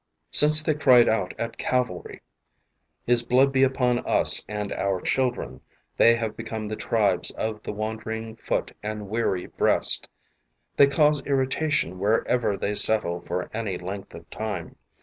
Since they cried out at Calvary: "His blood be upon us and our children, they have become the tribes of the wandering foot and weary breast. They cause irritation where ever they settle for any length of time.